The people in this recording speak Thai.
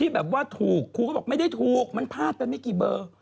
แบบว่าถูกครูก็บอกไม่ได้ถูกมันพลาดไปไม่กี่เบอร์